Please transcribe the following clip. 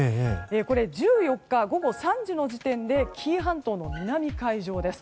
１４日午後３時の時点で紀伊半島の南海上です。